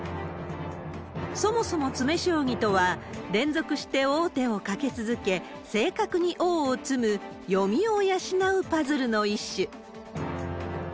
そもそも詰将棋とは、連続して王手をかけ続け、正確に王を詰む読みを養うパズルの一種。